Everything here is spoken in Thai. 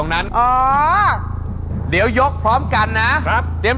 คุณยกเบลือเนี้ย